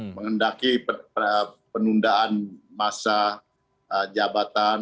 mengendaki penundaan masa jabatan